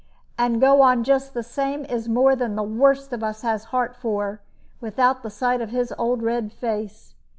And to go on just the same is more than the worst of us has the heart for, without the sight of his old red face.